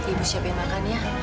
ibu siapin makan ya